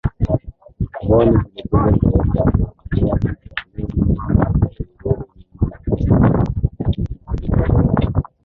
von Zelewski Sehemu ya kombania ya nyuma ilirudi nyuma na kusimama kwenye kilima kidogo